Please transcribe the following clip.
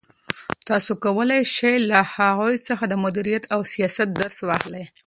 تاسو کولای شئ چې له هغوی څخه د مدیریت او سیاست درس واخلئ.